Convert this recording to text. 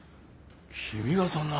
君がそんな。